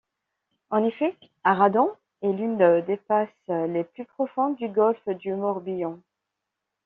En effet, Arradon est l’une des passes les plus profondes du golfe du Morbihan.